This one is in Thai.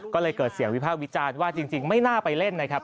ก็เลยเกิดเสียงวิพากษ์วิจารณ์ว่าจริงไม่น่าไปเล่นนะครับ